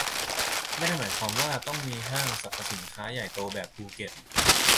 ไม่ได้หมายความว่าต้องมีห้างสรรพสินค้าใหญ่โตแบบภูเก็ต